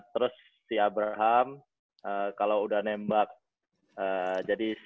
terus si abraham kalau udah nembak jadi sembilan dua